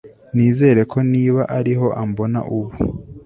Nizere ko niba ariho ambona ubu